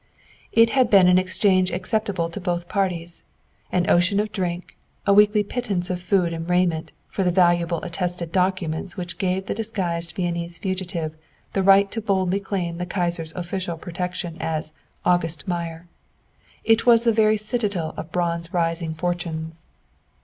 It had been an exchange acceptable to both parties: an ocean of drink, a weekly pittance of food and raiment, for the valuable attested documents which gave the disguised Viennese fugitive the right to boldly claim the Kaiser's official protection as "August Meyer." It was the very citadel of Braun's rising fortunes!